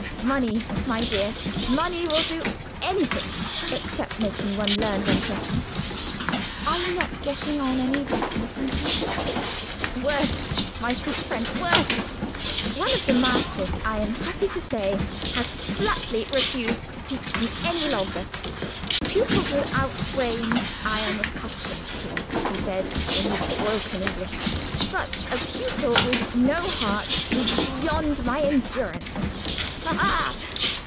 Money, my dear; money will do anything except making one learn one's lessons." "Are you not getting on any better, Francine?" "Worse, my sweet friend worse. One of the masters, I am happy to say, has flatly refused to teach me any longer. 'Pupils without brains I am accustomed to,' he said in his broken English; 'but a pupil with no heart is beyond my endurance.' Ha! ha!